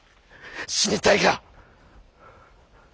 死にたいか！